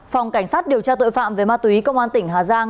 phòng cảnh sát điều tra tội phạm về ma túy công an tỉnh hà giang